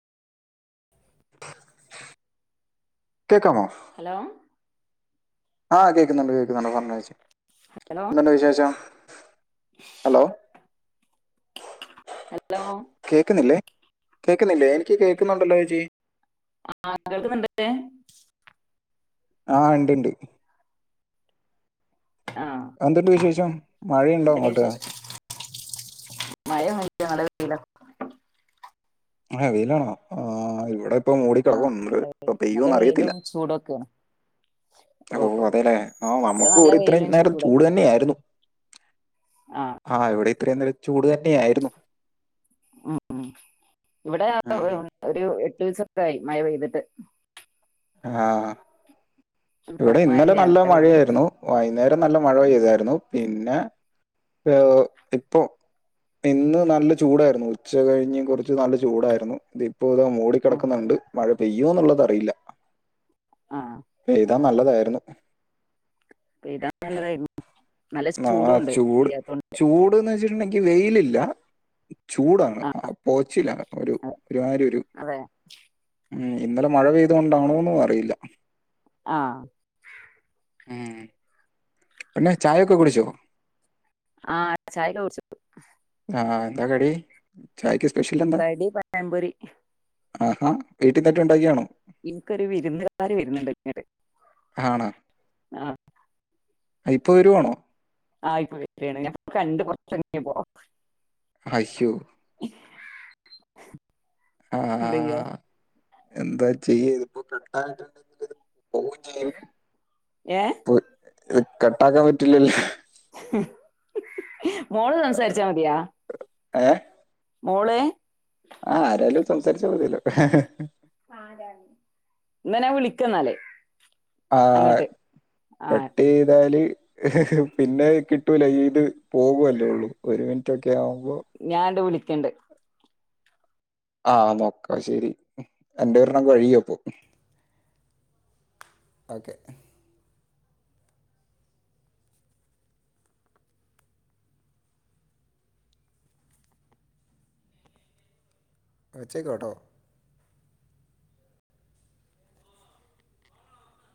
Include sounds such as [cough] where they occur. കേക്കാമോ ഹലോ ആഹ് കേക്കുന്നുണ്ട് കേക്കുന്നുണ്ട് പറഞ്ഞോ ചേച്ചി ഹലോ എന്തുണ്ട് വിശേഷം ഹലോ ഹലോ കേക്കുന്നില്ലേ കേക്കുന്നില്ലേ എനിക്ക് കേൾക്കുന്നുണ്ടല്ലോ ചേച്ചി ആഹ് കേൾക്കുന്നുണ്ട് ആഹ് ഇണ്ട് ഇണ്ട് ആ എന്തുണ്ട് വിശേഷം മഴയുണ്ടോ എന്തൊക്കെയ അങ്ങോട്ട് വിശേഷം ഇല്ല ആഹ് വെയിലാണോ ആഹ് ഇവിടെ ഇപ്പോ ആ മൂടിക്കെടക്കേന്നുണ്ട് നല്ല ഇപ്പ വെയിൽ നല്ല പെയ്യോന്നറിയത്തില്ല വെയിലും ചൂടൊക്കെയാണ് ഓ ഓഹ് അതേല്ലേ ആഹ് നമ്മുക്ക് നല്ല ഇവിടെ ഇത്രയും വെയിലും നേരം ചൂട് ചൂടൊക്കെയാണ് തന്നെ ആയിരുന്നു ആ ആഹ് ഇവിടെ ഇത്രേം നേരം ചൂട് തന്നെയായിരുന്നു ഉം ഉം ഇവിടെ ആ ഉം. ഒരു ഒര് ഒരു [unintelligible] ആയി മഴ പെയ്തട്ട് ആ ആഹ് [inaudible] ഇപ്പ ഇവിടെ ഇന്നലെ മഴല്ല നല്ല വെയിലാ മഴയായിരുന്നു വൈന്നേരം നല്ല മഴ ഉം പെയ്തായിരുന്നു പിന്നെ ഏഹ് ഇപ്പൊ ഇന്ന് നല്ല ചൂടായിരുന്നു ഉച്ച കഴിഞ്ഞ് കൊറച്ച് നല്ല ചൂടായിരുന്നു ഇതെ ഇപ്പോ ഇവട ഉം മൂടിക്കെടക്കുന്നുണ്ട് മഴ പെയ്യോന്നുള്ളത് അറിയില്ല ആഹ പെഴതനല്ലതായിരുന്നു പെയ്തനല്ലതായിരുന്നു ആഹ ചൂട് ചൂട്ന്ന് വെച്ചിട്ട ഇന്നെങ്ങി വെയിലില്ല ചൂടാണ് ആ പുകച്ചിലാണ് ഒരു അതെ ഒരുമാരി ഒരു അതെ. ഇന്നലെ മഴ പെഴതോണ്ടണോ അറിയില്ല ആ ഏ പിന്നെ ചായൊക്കെ കുടിച്ചോ ആ ചായക്ക കുട്ച്ചു ആ എന്താ കടി ചായക്ക് സ് കടി പയംമ്പൊരി ആ വീട്ടിന്നറ്റ ഉണ്ടാക്കിയാണോ ഇൻക്കൊര് വിരിന്ന്ക്കാര് വര്ന്ന് ണ്ട് ഇങ്ങട്ട് ആ അയ് ഇപ്പൊ വരുവാണോ ആ ഇപ്പൊ വര് ആണ് ഞാ ഇപ്പ കണ്ട് കുറച്ചങ്ങത്തിയപ്പോ ഹയ്ശോ ആ ആ എന്താ ചെയ്യാ എന്താ ചെയ്യതിപ്പ കട്ടായിട്ടണ്ടെങ്കിലിത് പോവും ചെയ്യും ഏ ഇത് കട്ടാക്കാൻ പറ്റില്ലല്ലോ മോള് സംസാരിച്ചാ മതിയാ ഏ മോള് ആ ആരാലും സംസാരിച്ച മതിയല്ലോ ഹെ ഹെ ആരാണ് ഇന്ന ഞാൻ വിളിക്ക ന്നാല് ആ കട്ട്യ്താല് ഹ് ഹ് പിന്നെ കിട്ടൂല ഈത് പോവുല്ലെ ഒള്ളൂ ഒരു മിൻറ്റ് ഒക്കെ ആവു ഞാൻണ്ട് വിളി ക്കണ്ട് ആ നോക്കാ ശെരി എന്റെ ഒരെണ്ണം കഴിയും അപ്പം ഓക്കെ വച്ചേക്കാട്ടോ